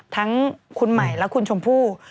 ทั้งคุณใหม่และคุณชมพู่